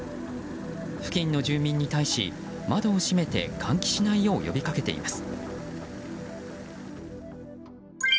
付近の住民に対し窓を閉めて換気しないよう呼びかけています。